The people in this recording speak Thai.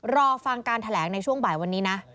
รอฟังการแถลงในช่วงบ่ายวันนี้นะ